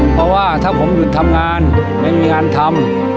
เพราะว่าถ้าผมหยุดทำงานไม่มีงานทำ